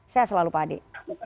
sehat selalu pak ade